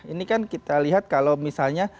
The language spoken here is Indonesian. ini kan kita lihat kalau misalnya